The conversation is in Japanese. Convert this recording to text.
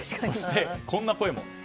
そして、こんな声も。